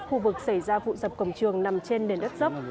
khu vực xảy ra vụ sập cổng trường nằm trên nền đất dốc